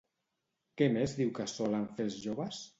Què més diu que solen fer els joves?